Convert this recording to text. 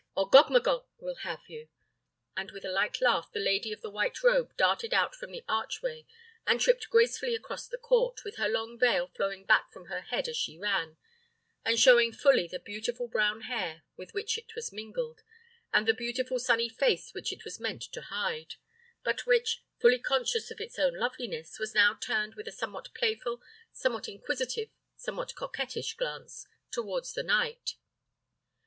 or Gogmagog will have you;" and with a light laugh, the lady of the white robe darted out from the archway, and tripped gracefully across the court, with her long veil flowing back from her head as she ran, and showing fully the beautiful brown hair with which it was mingled, and the beautiful sunny face which it was meant to hide, but which, fully conscious of its own loveliness, was now turned with a somewhat playful, somewhat inquisitive, somewhat coquettish glance, towards the knight.